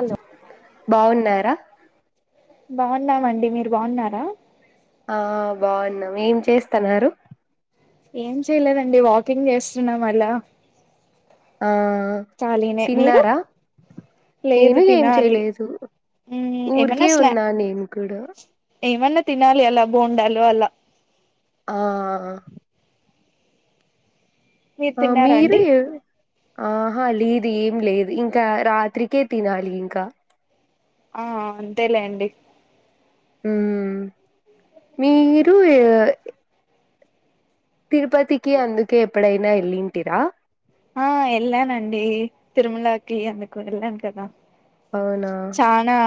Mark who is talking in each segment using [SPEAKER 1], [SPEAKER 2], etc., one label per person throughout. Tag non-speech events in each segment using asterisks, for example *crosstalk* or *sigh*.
[SPEAKER 1] Hello
[SPEAKER 2] బావున్నారా
[SPEAKER 1] బాగున్నామండి మీరు బాగున్నారా
[SPEAKER 2] ఆ బాగున్నాం ఏం చేస్తన్నారు
[SPEAKER 1] ఏం చేయలేదండి వాకింగ్ చేస్తున్నాం అలా
[SPEAKER 2] ఆఆ
[SPEAKER 1] ఖాళీనే మీరు
[SPEAKER 2] తిన్నారా
[SPEAKER 1] లేదు
[SPEAKER 2] నేను ఏం
[SPEAKER 1] తినాలి
[SPEAKER 2] చేయలేదు
[SPEAKER 1] మ్మ్ ఏమన్నా
[SPEAKER 2] ఊరికే
[SPEAKER 1] స్నా
[SPEAKER 2] ఉన్నా నేను కూడా
[SPEAKER 1] ఏమన్నా తినాలి అలా బోండాలు అలా
[SPEAKER 2] ఆఆ
[SPEAKER 1] మీరు
[SPEAKER 2] ఆ
[SPEAKER 1] తిన్నారా
[SPEAKER 2] మీరు
[SPEAKER 1] అండి
[SPEAKER 2] ఏ ఆహా లేదు ఏం లేదు ఇంకా రాత్రికే తినాలి ఇంకా
[SPEAKER 1] ఆ అంతేలే అండి
[SPEAKER 2] ఊమ్ మీరు తిరుపతికి అందుకే ఎప్పుడైనా ఎళ్ళింటిరా
[SPEAKER 1] ఆ ఎళ్ళానండి తిరుమలకి అందుకు ఎళ్ళాను కదా
[SPEAKER 2] అవునా
[SPEAKER 1] చానా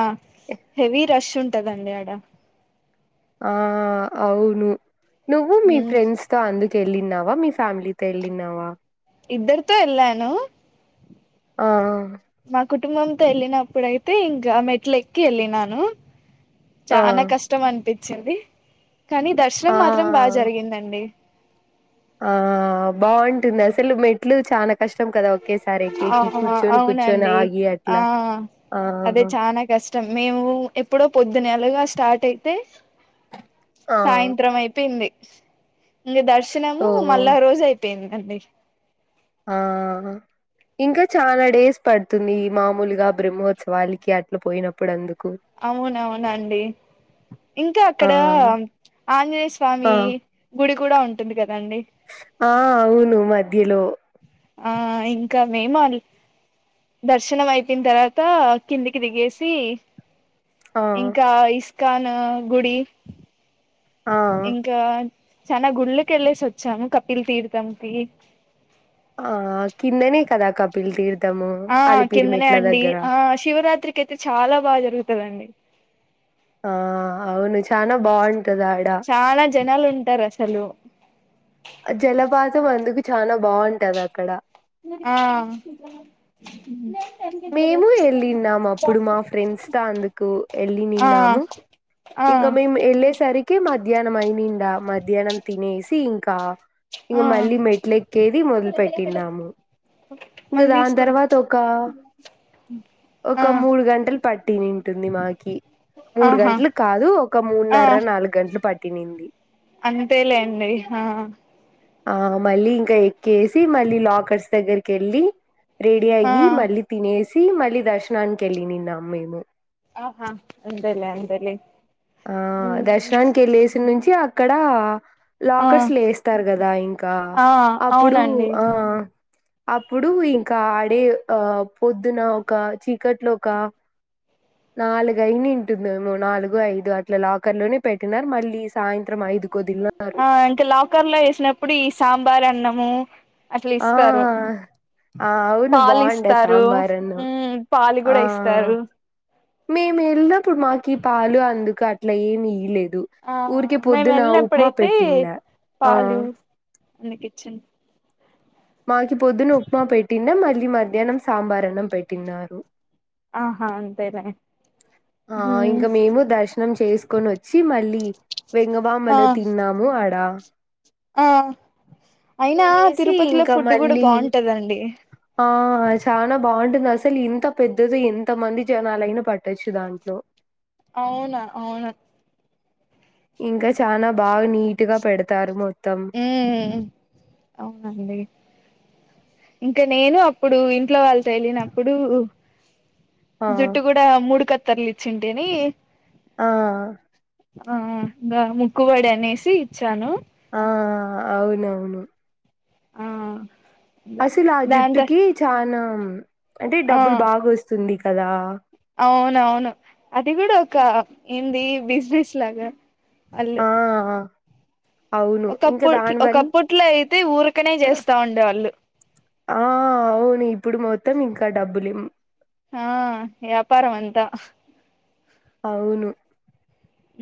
[SPEAKER 1] హెవీ రష్ ఉంటదండి అడ
[SPEAKER 2] ఆ అవును నువ్వు మీ
[SPEAKER 1] మ్మ్
[SPEAKER 2] ఫ్రెండ్స్ తో అందుకు ఎళ్ళినవా మీ ఫ్యామిలీతో ఎళ్ళినవా
[SPEAKER 1] ఇద్దరుతో ఎల్లాను
[SPEAKER 2] ఆ
[SPEAKER 1] మా కుటుంబంతో వెళ్ళినప్పుడయితే ఇంకా మెట్ల ఎక్కి వెళ్ళినాను
[SPEAKER 2] ఆ
[SPEAKER 1] చాల కష్టం అనిపించింది కానీ దర్శనం
[SPEAKER 2] ఆ
[SPEAKER 1] మాత్రం బాగా
[SPEAKER 2] ఆ
[SPEAKER 1] జరిగిందండి
[SPEAKER 2] ఆ బాగుంటుంది అసలు మెట్లు చాలా కష్టం కదా ఒక ఒకసారీ ఎక్కి
[SPEAKER 1] ఆ
[SPEAKER 2] ఎక్కి కూర్చొని కూర్చొని
[SPEAKER 1] అవునండి
[SPEAKER 2] ఆగి అట్లా ఆ
[SPEAKER 1] మొత్తం మేము ఎప్పుడో పొద్దు అలగా స్టార్ట్ అయితే
[SPEAKER 2] ఆ
[SPEAKER 1] సాయంత్రం అయిపోయింది ఇంకా దర్శనము
[SPEAKER 2] ఓ
[SPEAKER 1] మళ్ళా రోజు అయిపోయిందండి
[SPEAKER 2] ఆ ఇంకా చాలా డేస్ పడుతుంది మామూలుగా బ్రహ్మోత్సవాాలకి అట్లా పోయినప్పుడు అందుకు
[SPEAKER 1] అవునవునండి ఇంకా
[SPEAKER 2] ఆ
[SPEAKER 1] అక్కడ ఆంజనేయ
[SPEAKER 2] ఆ
[SPEAKER 1] స్వామి స్వామి గుడి కూడా ఉంటుంది కదండి
[SPEAKER 2] ఆ అవును మధ్యలో
[SPEAKER 1] ఆ ఇంకా మేము దర్శనం అయిపోయిన తర్వాత కిందికి దిగేసి
[SPEAKER 2] ఆ
[SPEAKER 1] ఇంకా ఇస్కాన్ గుడి
[SPEAKER 2] ఆ
[SPEAKER 1] ఇంకా చనా గుళ్ళక వెళ్ళేసి వచ్చాము కపిల్ తీర్థం కి *inaudible*
[SPEAKER 2] ఆ కిందనే కదా కపిల్ తీర్థము
[SPEAKER 1] ఆ కిందనే
[SPEAKER 2] అలిపిరిమెట్ల
[SPEAKER 1] అండి
[SPEAKER 2] దగ్గర
[SPEAKER 1] ఆ శివరాత్రికి అయితే చాలా బాగా జరుగుతదండి
[SPEAKER 2] ఆ అవును చానా బాగుంటది ఆడ
[SPEAKER 1] చాలా జనాలు ఉంటారు అసలు
[SPEAKER 2] జలపాతం అందుకు చానా బాగుంటది అక్కడ
[SPEAKER 1] ఆ
[SPEAKER 2] మేము యెళ్ళిన్నాము. అప్పుడు మా ఫ్రెండ్స్ తో అందుకు
[SPEAKER 1] ఆ
[SPEAKER 2] యెళ్ళినిన్నాము.
[SPEAKER 1] ఆ
[SPEAKER 2] ఇంకా మేము యెళ్ళేసరికి మధ్యాహ్నం అయినిండా మధ్యాహ్నం తినేసి ఇంకా
[SPEAKER 1] ఆ
[SPEAKER 2] ఇంగా మళ్ళీ మెట్లు ఎక్కేది మొదలు పెట్టినాము ఇంగ
[SPEAKER 1] మళ్ళీ
[SPEAKER 2] దాని
[SPEAKER 1] తీసుకుంటా
[SPEAKER 2] తర్వాత ఒక
[SPEAKER 1] ఆ
[SPEAKER 2] ఒక మూడు గంటలు పట్టినింటుంది మాకి మూడు
[SPEAKER 1] ఆహా
[SPEAKER 2] గంటలు కాదు ఒక మూన్నర నాలుగు గంటలు పట్టి తినింది
[SPEAKER 1] అంతే లేండి ఆ
[SPEAKER 2] ఆ మళ్ళీ ఇంకా ఎక్కేసి మళ్ళీ లాకర్స్ దగ్గరికి యెళ్ళి రెడీ
[SPEAKER 1] ఆ
[SPEAKER 2] అయ్యి మళ్ళీ తినేసి మళ్ళీ దర్శనానికి యెళ్ళినిన్నాం మేము
[SPEAKER 1] ఆహా అంతేలే అంతేలే
[SPEAKER 2] ఆ దర్శనానికి యెళ్ళేసి నుంచి అక్కడ
[SPEAKER 1] ఆ
[SPEAKER 2] లాకర్స్ లేస్తారు కదా ఇంకా
[SPEAKER 1] ఆ
[SPEAKER 2] అప్పుడు
[SPEAKER 1] అవునండి
[SPEAKER 2] ఆ అప్పుడు ఇంకా ఆడే ఆ పొద్దున ఒక చీకట్లో ఒక నాలుగయిని ఉంటుందేమో నాలుగు ఐదు అట్లా లాకర్ లోనే పెట్టినారు మళ్ళీ సాయంత్రం ఐదుకు వదిలినారు
[SPEAKER 1] ఆ ఇంకా లాకర్ లో యెసినప్పుడు ఈ సాంబార్ అన్నము అసలు
[SPEAKER 2] ఆ
[SPEAKER 1] ఇస్తారు
[SPEAKER 2] ఆ అవును
[SPEAKER 1] పాలు
[SPEAKER 2] బాగుండే
[SPEAKER 1] ఇస్తారు
[SPEAKER 2] సాంబార్ అన్నం
[SPEAKER 1] ఉమ్ పాలు
[SPEAKER 2] ఆ
[SPEAKER 1] గూడా ఇస్తారు
[SPEAKER 2] మేము యెళ్ళినప్పుడు మాకు ఈ పాలు అందుకు అట్లా ఏమియలేదు
[SPEAKER 1] ఆ మేము యెళ్ళినప్పుడైతే
[SPEAKER 2] పెట్టిండ ఆ
[SPEAKER 1] పాలు నీకిచ్చిన్
[SPEAKER 2] మాకి పొద్దున్న ఉప్మా పెట్టినా మళ్ళీ మధ్యాహ్నం సాంబార్ అన్నం పెట్టినారు
[SPEAKER 1] ఆహా అంతేలే
[SPEAKER 2] ఆ
[SPEAKER 1] ఉమ్
[SPEAKER 2] ఇంకా మేము దర్శనం చేసుకొని వచ్చి మళ్ళీ
[SPEAKER 1] ఆ
[SPEAKER 2] వెంగబామలో తిన్నాము ఆడ
[SPEAKER 1] ఆ అయినా
[SPEAKER 2] తినేసి
[SPEAKER 1] తిరుపతిలో
[SPEAKER 2] ఇంకా
[SPEAKER 1] ఫుడ్ కూడా
[SPEAKER 2] మళ్ళీ
[SPEAKER 1] బాగుంటదండి
[SPEAKER 2] ఆ ఆ చాలా బాగుంటుంది అసలు ఇంత పెద్దది ఎంత మంది జనాలైనా పట్టొచ్చు దాంట్లో
[SPEAKER 1] అవునా అవునా
[SPEAKER 2] ఇంకా చానా బాగా నీటుగా పెడతారు మొత్తం
[SPEAKER 1] ఉమ్ అవునండి ఇంకా నేను అప్పుడు ఇంట్లో వాళ్ళతో యెళ్ళినప్పుడు
[SPEAKER 2] ఆ
[SPEAKER 1] జుట్టు కూడా మూడు కత్తర్లు ఇచ్చింటేని
[SPEAKER 2] ఆ
[SPEAKER 1] ఆ ఇగా ముక్కుబడి అనేసి ఇచ్చాను
[SPEAKER 2] ఆ అవునవును
[SPEAKER 1] ఆ దా
[SPEAKER 2] అసలు ఆ
[SPEAKER 1] దాని తర్
[SPEAKER 2] జుట్టుకి చానా అంటే
[SPEAKER 1] ఆ
[SPEAKER 2] డబ్బులు బాగా వస్తుంది కదా
[SPEAKER 1] అవునవును అది గూడా ఒక ఏంది బిజినెస్ లాగా అల్లు
[SPEAKER 2] ఆ అవును ఇంకా
[SPEAKER 1] ఒకప్పు
[SPEAKER 2] దాని వల్ల
[SPEAKER 1] ఒకప్పట్లో అయితే ఊరికనే జేస్తా ఉండే వాళ్ళు
[SPEAKER 2] ఆ అవును ఇప్పుడు మొత్తం ఇంకా డబ్బులుం
[SPEAKER 1] ఆ యాపారం అంతా
[SPEAKER 2] అవును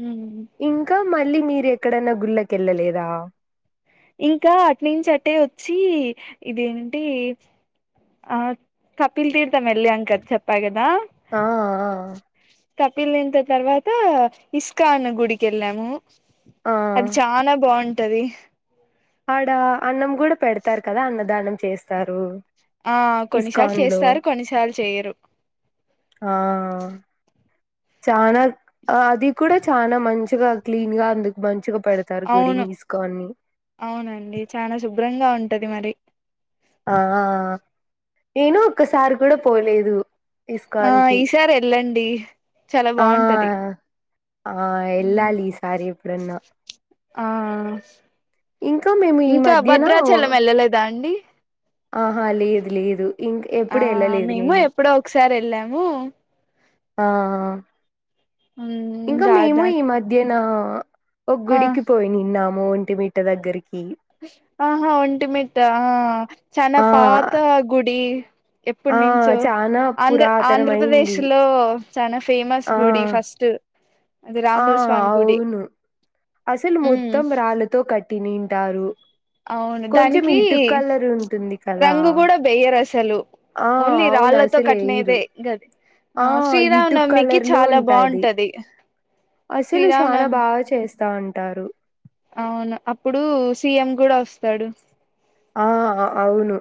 [SPEAKER 1] ఉమ్
[SPEAKER 2] ఇంకా మళ్ళీ మీరు ఎక్కడన్నా గుళ్ళకెళ్ళలేదా
[SPEAKER 1] ఇంకా అటునుంచి అట్టే వచ్చి ఇదేంటి ఆ కపిల్ తీర్థం వెళ్ళి అంకద చెప్పా కదా
[SPEAKER 2] ఆ ఆ
[SPEAKER 1] తప్పిలింత తర్వాత ఇస్కాన్న గుడికి వెళ్ళాము
[SPEAKER 2] ఆ
[SPEAKER 1] అది చాల బాగుంటది
[SPEAKER 2] ఆడ అన్నం కూడా పెడతారు కదా అన్నదానం చేస్తారు
[SPEAKER 1] ఆ కొన్నిసార్లు
[SPEAKER 2] ఇస్కాన్ లో
[SPEAKER 1] చేస్తారు కొన్నిసార్లు చేయరు
[SPEAKER 2] ఆ చనా అది కూడా చాల మంచిగా క్లీన్ గా అందుకు మంచిగా పెడతారు
[SPEAKER 1] అవును
[SPEAKER 2] గుడిని ఇస్కాన్ ని
[SPEAKER 1] అవునండి చాలా శుభ్రంగా ఉంటది మరి
[SPEAKER 2] ఆ నేను ఒక్కసారి కూడా పోలేదు
[SPEAKER 1] ఆ
[SPEAKER 2] ఇస్కాన్ కి
[SPEAKER 1] ఈసారి వెళ్ళండి చాలా
[SPEAKER 2] ఆ
[SPEAKER 1] బాగుంటది
[SPEAKER 2] ఆ ఎల్లాాలలీసారి ఎప్పుడున్నా
[SPEAKER 1] ఆ
[SPEAKER 2] మేము ఈ
[SPEAKER 1] ఇంకా
[SPEAKER 2] మధ్యన
[SPEAKER 1] భద్రాచలం వెళ్ళలేదా అండి
[SPEAKER 2] ఆహా లేదు లేదు ఇంక
[SPEAKER 1] ఆ
[SPEAKER 2] ఎప్పుడు ఎళ్ళలేదు
[SPEAKER 1] మేము
[SPEAKER 2] నేను.
[SPEAKER 1] ఎప్పుడో ఒకసారి వెళ్ళాము
[SPEAKER 2] ఆ
[SPEAKER 1] మ్మ్
[SPEAKER 2] ఇంకా మేము
[SPEAKER 1] రాదా
[SPEAKER 2] ఈ మధ్యన ఒక
[SPEAKER 1] ఆ
[SPEAKER 2] గుడికి పోయినిన్నాము ఒంటిమిట్ట దగ్గరికి
[SPEAKER 1] అహా ఒంటి మిట్ట ఆ చానా
[SPEAKER 2] ఆ!
[SPEAKER 1] పాత గుడి ఎప్పడి
[SPEAKER 2] ఆ!
[SPEAKER 1] నుంచో
[SPEAKER 2] చానా
[SPEAKER 1] ఆంధ్ర ఆంధ్రప్రదేశ్
[SPEAKER 2] పురాతనమైంది.
[SPEAKER 1] లో చానా ఫేమస్
[SPEAKER 2] ఆ!
[SPEAKER 1] గుడి ఫస్ట్ అది
[SPEAKER 2] ఆ!
[SPEAKER 1] రాముల స్వామి గుడి
[SPEAKER 2] అవును. అసలు
[SPEAKER 1] మ్మ్
[SPEAKER 2] మొత్తం రాళ్లతో కట్టినింటారు
[SPEAKER 1] అవును
[SPEAKER 2] కొంచెం
[SPEAKER 1] దానికి
[SPEAKER 2] ఇటు కలర్ ఉంటుంది కదా
[SPEAKER 1] రంగు కూడా బెయ్యరు అసలు
[SPEAKER 2] ఆ
[SPEAKER 1] ఓన్లీ
[SPEAKER 2] అవును
[SPEAKER 1] రాళ్ళతో
[SPEAKER 2] అసలు ఐరు
[SPEAKER 1] కట్టినదే గది
[SPEAKER 2] ఆ ఇటు
[SPEAKER 1] శ్రీరామనవమికి
[SPEAKER 2] కలర్ లో
[SPEAKER 1] చాలా
[SPEAKER 2] ఉంటాది
[SPEAKER 1] బాగుంటది
[SPEAKER 2] అసలు చానా
[SPEAKER 1] శ్రీరామనవమి
[SPEAKER 2] బాగా చేస్తా అంటారు
[SPEAKER 1] అవును అప్పుడు సీఎం కూడా వస్తాడు
[SPEAKER 2] ఆ అ అవును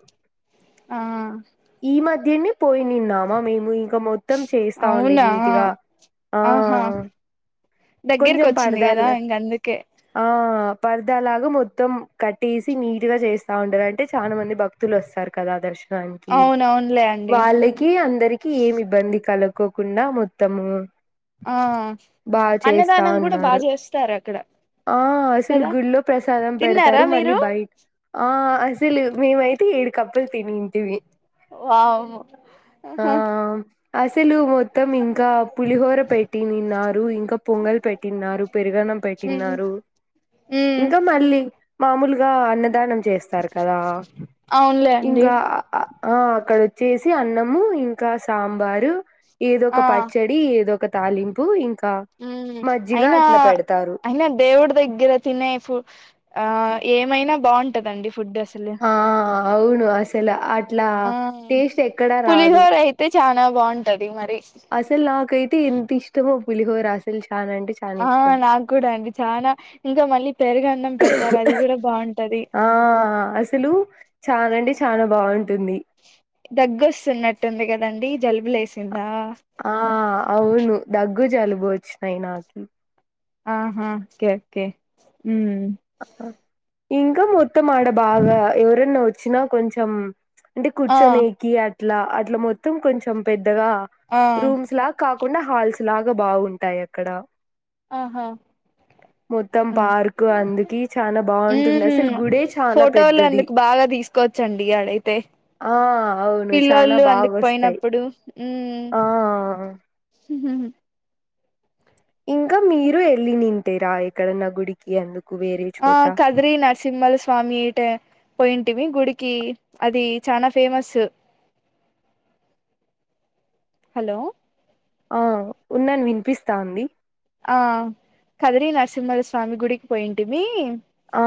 [SPEAKER 1] ఆ
[SPEAKER 2] ఈ మధ్యనే పోయినిన్నామా మేము ఇం గ మొత్తం చేస్తా ఉండే
[SPEAKER 1] అవునా
[SPEAKER 2] నీట్గా ఆ
[SPEAKER 1] ఆహా దగ్గరికి
[SPEAKER 2] కొంచం
[SPEAKER 1] వచ్చింది
[SPEAKER 2] పాడదాల
[SPEAKER 1] కదా ఇంక అందుకే
[SPEAKER 2] ఆ పర్ద లాగా మొత్తం కట్టేసి నీట్గా చేస్తా ఉండారు అంటే చాలా మంది భక్తులు వస్తారు కదా దర్శ నానికి
[SPEAKER 1] అవును అవునులే అండి
[SPEAKER 2] వాళ్లకి అందరికి ఏమి ఇబ్బంది కల కోకుండా మొత్తము
[SPEAKER 1] ఆ
[SPEAKER 2] బాగా చేస్తా
[SPEAKER 1] అన్నదానం కూడా బాగా
[SPEAKER 2] ఉన్నారు
[SPEAKER 1] చేస్తారు అక్కడ
[SPEAKER 2] ఆ అసలు
[SPEAKER 1] కదా
[SPEAKER 2] గుళ్లో ప్రసాదం
[SPEAKER 1] తిన్నారా
[SPEAKER 2] పెడతారు మళ్లీ
[SPEAKER 1] మీరు
[SPEAKER 2] బయ ఆ అసలు మేమైతే ఏడు కప్పులు తినింటిమి
[SPEAKER 1] వామ్మో
[SPEAKER 2] ఆ
[SPEAKER 1] ఆహా
[SPEAKER 2] అసలు మొత్తం ఇంకా పులిహోర పెట్టినిన్నారు ఇంకా పొంగల్ పె ట్టింన్నారు పెరుగన్నం
[SPEAKER 1] ఉమ్
[SPEAKER 2] పెట్టింన్నారు
[SPEAKER 1] ఉమ్
[SPEAKER 2] ఇంకా మళ్లీ మాములుగా అన్నదానం చేస్తారు కదా
[SPEAKER 1] అవునులే అండి
[SPEAKER 2] ఇంకా ఆ అక్కడ వచ్చేసి అన్నము ఇంకా సాంబారు ఏదో ఒక
[SPEAKER 1] ఆ
[SPEAKER 2] పచ్చడి ఏదో ఒక తాలింపు ఇంకా
[SPEAKER 1] హ్మ్
[SPEAKER 2] మజ్జిగా
[SPEAKER 1] అయినా
[SPEAKER 2] అట్లా పెడతారు
[SPEAKER 1] అయినా దేవుడి దగ్గర తినే ఫు ఆ ఏమైనా బాగుంటదండి ఫుడ్ అసలు
[SPEAKER 2] ఆ అవును అసలు అట్లా
[SPEAKER 1] ఆ
[SPEAKER 2] టేస్ట్ ఎక్కడా రాదు
[SPEAKER 1] పులిహోర అయితే చానా బాగుంటది మరి
[SPEAKER 2] అసలు నాకైతే ఎంత ఇష్టమో పులిహోరా అసలు చానా అంటే చానా
[SPEAKER 1] ఆ నాకు కూడా అండి చానా ఇంకా మళ్లీ పెరుగన్నం పెడతారు
[SPEAKER 2] ఇష్టం
[SPEAKER 1] అది కూడా బాగుంటది
[SPEAKER 2] ఆ అసలు చానా అంటే చానా బాగుం
[SPEAKER 1] దగ్గొస్తున్నట్టుంది కదండి జలుబు లేసింది
[SPEAKER 2] ఆ అవును దగ్గు జలుబు వచ్చినాయ్ నాకి
[SPEAKER 1] అహా ఓకే ఓకే మ్
[SPEAKER 2] ఇంకా మొత్తం ఆడ బాగా ఎవరన్నా వచ్చినా కొంచెం అంటే
[SPEAKER 1] ఆ
[SPEAKER 2] కూర్చొనికి అ ట్లా అట్లా మొత్తం కొంచెం పెద్దగా
[SPEAKER 1] ఆ
[SPEAKER 2] రూమ్స్ లా కాక్ కుండా హాల్స్ లాగా బాగుంటాయి అక్కడ
[SPEAKER 1] ఆహా
[SPEAKER 2] మొత్తం పార్కు అందు
[SPEAKER 1] ఉమ్
[SPEAKER 2] చానా
[SPEAKER 1] ఫోటోలు
[SPEAKER 2] పెద్దది
[SPEAKER 1] అందుకు బాగా తీసుకోవచ్చండి అడైతే
[SPEAKER 2] ఆ అవును చానా
[SPEAKER 1] పిల్లోళ్లు అందుక్
[SPEAKER 2] బాగొస్తాయి
[SPEAKER 1] పోయినప్పుడు మ్
[SPEAKER 2] ఆ ఇంకా మీరు ఎళ్లీనింటీరా ఎక్కడన్న గుడి
[SPEAKER 1] ఆ కదిరి నరసింహల్ స్వా స్వామి టె పోయింటిమి గుడికి అది చానా ఫేమసు హలో
[SPEAKER 2] ఆ ఉన్నాను వినిపిస్తాంది
[SPEAKER 1] ఆ కదిరి నరసింహల స్వామి గుడికి పోయింటిమీ
[SPEAKER 2] ఆ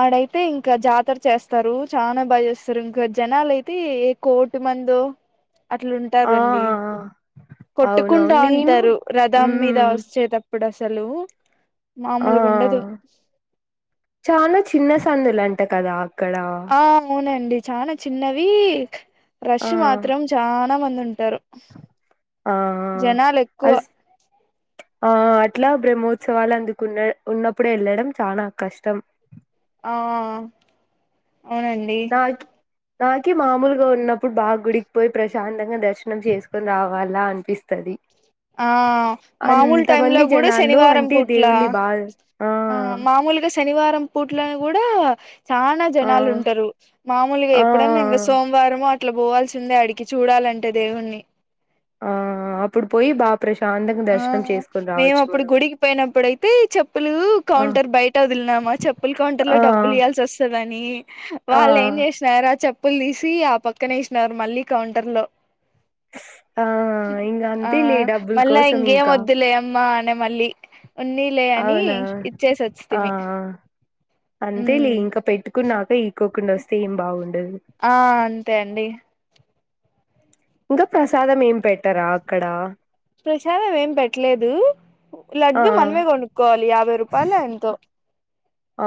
[SPEAKER 1] ఆడైతే ఇంకా జాతర చేస్తారు చానా బాగా చేస్తారు ఇంకా జనాలయితే ఏ కోటి మంది లో
[SPEAKER 2] ఆ ఆ!
[SPEAKER 1] అట్లుంటారుండి
[SPEAKER 2] ఆ!
[SPEAKER 1] కొట్టుకుంటా
[SPEAKER 2] అవునవును నేను
[SPEAKER 1] ఉంటారు రథం మీద *unintelligible*
[SPEAKER 2] మ్మ్
[SPEAKER 1] వచ్చేటప్పుడు అసలు
[SPEAKER 2] ఆ
[SPEAKER 1] మామూలుగా ఉండదు
[SPEAKER 2] చానా చిన్న సందులు అంట కదా అక్కడ
[SPEAKER 1] ఆ అవునండి చానా చిన్నవి రష్ మాత్రం చానా మంది ఉంటారు
[SPEAKER 2] ఆ
[SPEAKER 1] జనాలు
[SPEAKER 2] ఆ
[SPEAKER 1] ఎక్కువ
[SPEAKER 2] అద్ ఆ అట్లా బ్రహ్మోత్సవాలు అందుకున్న ఉన్నప్పుడే వెళ్ళడం చానా కష్టం
[SPEAKER 1] ఆ అవునండి
[SPEAKER 2] నాకి నాకి మామలుగా ఉన్నప్పుడు బాగా గుడికి పోయి, ప్రశాంతంగా దర్శనం చేసుకొని రావాలా అనిపిస్తది.
[SPEAKER 1] ఆ మామూలు టైమ్ లా
[SPEAKER 2] అంతమంది
[SPEAKER 1] కూడా
[SPEAKER 2] జనాల్లో
[SPEAKER 1] శనివారం
[SPEAKER 2] అంటే
[SPEAKER 1] పుట్లా
[SPEAKER 2] దేవుణ్ణి బాగా
[SPEAKER 1] ఆ మామూలుగా శనివారం పూట్ల కూడా చానా
[SPEAKER 2] ఆ
[SPEAKER 1] జనాలు ఉంటరు మామూలుగా ఎప్పుడన్నా ఇంగ
[SPEAKER 2] ఆ
[SPEAKER 1] సోమవారము. అట్ల పోవాల్సిందే ఆడికి చూడాలంటే దేవుణ్ణి
[SPEAKER 2] ఆ అప్పుడు పోయి బా ప్రశాంతంగా
[SPEAKER 1] ఆ
[SPEAKER 2] దర్శనం చేసుకొని
[SPEAKER 1] మేము
[SPEAKER 2] రావచ్చు
[SPEAKER 1] అప్పుడు
[SPEAKER 2] మనం
[SPEAKER 1] గుడికి పోయినప్పుడయితే చెప్పులు
[SPEAKER 2] ఆ
[SPEAKER 1] కౌంటర్ బయట వదిల్ చెప్పినామ చెప్పుల కౌంటర్ లో
[SPEAKER 2] ఆ
[SPEAKER 1] డబ్బులు ఇయ్యాల్సి వస్తదని
[SPEAKER 2] ఆ
[SPEAKER 1] వాళ్ళు ఏం చేసినార చెప్పులు తీసి ఆ పక్కనే వేసినారు మళ్ళీ కౌంటర్లో
[SPEAKER 2] ఆ ఇంగ
[SPEAKER 1] ఆ
[SPEAKER 2] అంతేలే డబ్బుల
[SPEAKER 1] లా
[SPEAKER 2] కోసం
[SPEAKER 1] ఇంగేం
[SPEAKER 2] ఇంకా
[SPEAKER 1] వద్దులే అమ్మా అనా మళ్ళీ ఉన్నిలే అని
[SPEAKER 2] అవునా
[SPEAKER 1] ఇచ్చేసి వచ్చితిమి
[SPEAKER 2] అంతే లే
[SPEAKER 1] ఉమ్
[SPEAKER 2] ఇంకా పెట్టుకున్నాక ఈకోకుండా వస్తే ఏం బాగున్
[SPEAKER 1] ఆ అంతే అండి
[SPEAKER 2] ఇంకా ప్రసాదం ఏం పెట్టరా అక్కడ
[SPEAKER 1] ప్రసాదం ఏం పెట్టలేదు
[SPEAKER 2] ఆ
[SPEAKER 1] లడ్డు మనమే కొనుకోవాలి యాభై రూపాయల ఎంతో
[SPEAKER 2] ఆ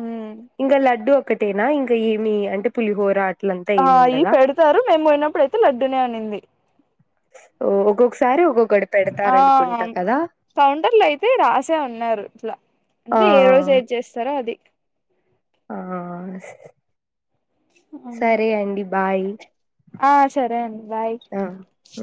[SPEAKER 1] ఉమ్
[SPEAKER 2] ఇంకా లడ్డు ఒక్కటేనా ఇంక ఏమి అంటే పులిహోర అట్లంతా
[SPEAKER 1] ఆ అయ్యి
[SPEAKER 2] ఏముండదా
[SPEAKER 1] పెడతారు మేము పోయినప్పుడుయితే లడ్డూనే అనింది
[SPEAKER 2] ఒకొక్క సారి ఒకొక్కడు
[SPEAKER 1] ఆ కౌంటర్లు అయితే రాసే ఉన్నారు ఇట్లా
[SPEAKER 2] ఆ
[SPEAKER 1] అంటే ఏ రోజు ఏది చేస్తారో అది
[SPEAKER 2] ఆ సరే అండి బాయ్
[SPEAKER 1] ఆ సరే అండి బాయ్
[SPEAKER 2] ఆ! ఆ!